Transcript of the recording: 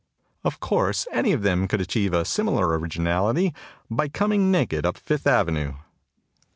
... Of course, any of them could achieve a similar originality by coming naked up Fifth Avenue."